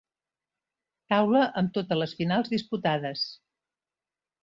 Taula amb totes les finals disputades.